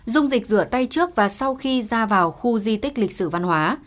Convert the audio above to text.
dung dịch rửa tay trước và sau khi ra vào khu di tích lịch sử văn hóa